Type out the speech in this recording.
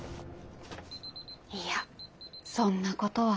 いやそんなことは。